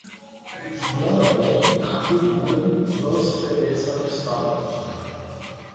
Não é bom que o burro não estremeça no estábulo.